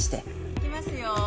いきますよ。